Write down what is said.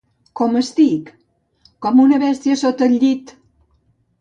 —Com estic? —Com una bèstia sota el llit!